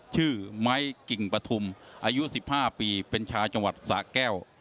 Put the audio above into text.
ชื่อไมค์กิ่งปะทุมอายุสิบห้าปีเป็นชาวจังหวัดสาแก้ว